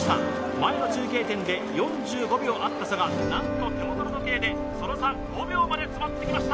前の中継点で４５秒あった差が何と手元の時計でその差５秒まで詰まってきました